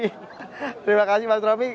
terima kasih mas rami